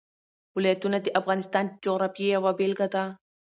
ولایتونه د افغانستان د جغرافیې یوه بېلګه ده.